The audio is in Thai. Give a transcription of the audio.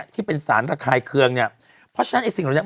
ที่เป็นสารระคายเคืองเนี่ยเพราะฉะนั้นไอ้สิ่งเหล่านี้